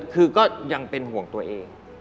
คือก็ยังเป็นห่วงตัวเอง